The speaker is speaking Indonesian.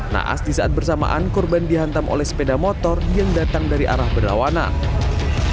naas di saat bersamaan korban dihantam oleh sepeda motor yang datang dari arah berlawanan